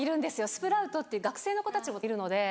スプラウトっていう学生の子たちもいるので。